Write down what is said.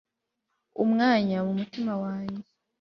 umwanya mu mutima wanjye